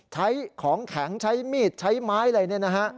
ใช้ของแข็งใช้มีดใช้ไม้อะไรเนี่ยนะฮะ